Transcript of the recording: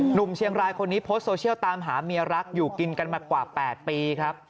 หนุ่มเชียงรายคนนี้โพสต์โซเชียลตามหาเมียรักอยู่กินกันมากว่า๘ปีครับ